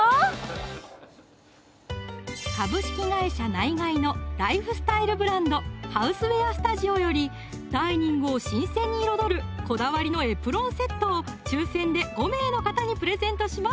ナイガイのライフスタイルブランド「ＨＯＵＳＥＷＥＡＲＳＴＵＤＩＯ」よりダイニングを新鮮に彩るこだわりのエプロンセットを抽選で５名の方にプレゼントします